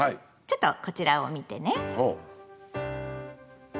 ちょっとこちらを見てね。